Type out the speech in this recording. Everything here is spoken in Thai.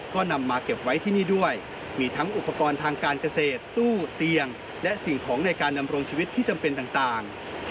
ก็นำมาเก็บไว้ที่นี่ด้วยมีทั้งอุปกรณ์ทางการเกษตรตู้เตียงและสิ่งของในการดำรงชีวิตที่จำเป็นต่าง